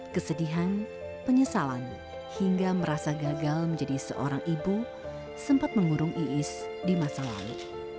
kesedihan penyesalan hingga merasa gagal menjadi seorang ibu sempat mengurung iis di masa lalu